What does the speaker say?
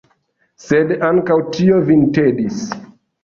Sed ankaŭ tio vin tedis!